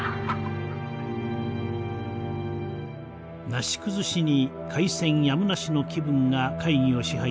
なし崩しに開戦やむなしの気分が会議を支配し始めました。